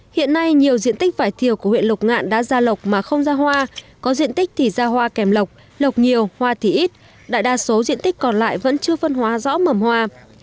hiện nay nhiều diện tích vải thiều của huyện lục ngạn đã ra lộc mà không ra hoa có diện tích thì ra hoa kèm lộc lộc nhiều hoa thì ít đại đa số diện tích còn lại vẫn chưa phân hóa rõ mẩm hoa